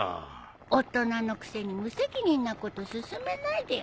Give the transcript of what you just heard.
大人のくせに無責任なこと勧めないでよ